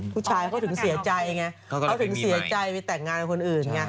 ผู้ชายเขาถึงเสียใจไงเขาถึงเสียใจไปแต่งงานกับคนอื่นไง